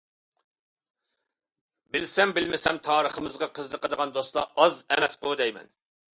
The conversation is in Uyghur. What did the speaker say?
بىلسەم بىلمىسەم تارىخىمىزغا قىزىقىدىغان دوستلار ئاز ئەمەسقۇ دەيمەن.